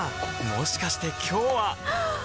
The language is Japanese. もしかして今日ははっ！